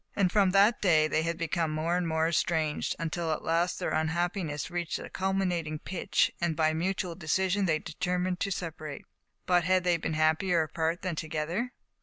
And from that day they had become more and more estranged, until at last their unhappiness reached a culminating pitch, and by mutual de sire, they determined to separate. But had they been happier apart than together?